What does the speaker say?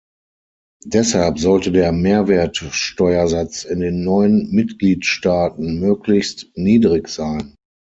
Deshalb sollte der Mehrwertsteuersatz in den neuen Mitgliedstaaten möglichst niedrig sein.